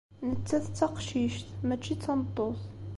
Nettat d taqcict, mačči d tameṭṭut.